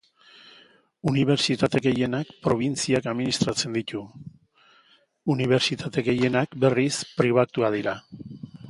Unibertsitate gehienak probintziak administratzen ditu; unibertsitate gehienak, berriz, pribatuak dira.